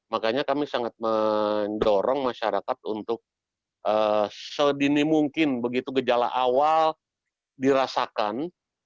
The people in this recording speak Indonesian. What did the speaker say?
makanya kami sangat mendorong masyarakat untuk sedini mungkin begitu gejala awal dirasakan